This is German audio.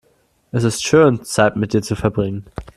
Es ist schön, Zeit mit dir zu verbringen.